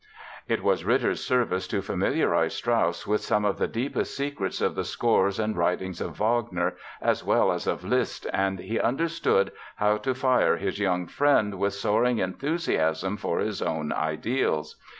It was Ritter's service to familiarize Strauss with some of the deepest secrets of the scores and writings of Wagner as well as of Liszt, and he understood how to fire his young friend with soaring enthusiasm for his own ideals.